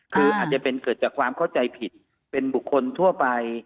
คืออาจจะเป็นเกิดจากความเข้าใจผิดเป็นบุคคลทั่วไป